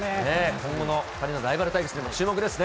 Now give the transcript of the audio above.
その２人のライバル対決も注目ですね。